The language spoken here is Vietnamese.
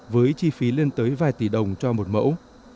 với chi phí lên tới vài tỷ đồng cho một mẫu